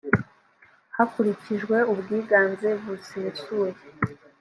hakurikijwe ubwiganze busesuye.